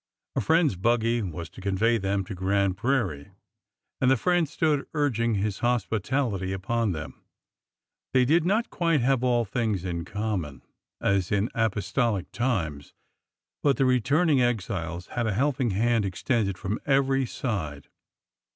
A friend's buggy was to convey them to Grand Prairie, and the friend stood urg ing his hospitality upon them. They did not quite have all things in common as in apostolic times, but the re turning exiles had a helping hand extended from every side.